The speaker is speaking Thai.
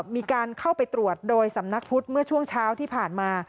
มีการเข้าไปตรวจโดยสำนักพุทธเมื่อช่วงเช้าที่ผ่านมา